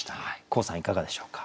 黄さんいかがでしょうか？